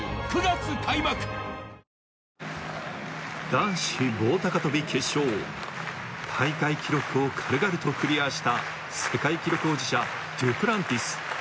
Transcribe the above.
男子棒高跳決勝大会記録を軽々とクリアした世界記録保持者デュプランティス